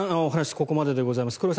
お話ここまででございます。